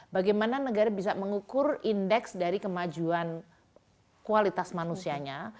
bagaimana negara bisa mengukur indeks dari kemajuan kualitas manusianya